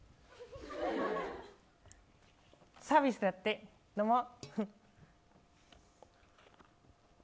サービスだって、飲もう。